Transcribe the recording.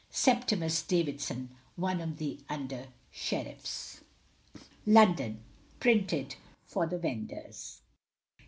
"SEPTIMUS DAVIDSON, one of the under sheriffs." London: Printed for the Vendors.